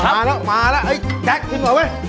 มาแล้วแซ่คชิมหน่อยเว้ย